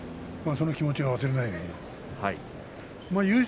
その気持ちは忘れないように。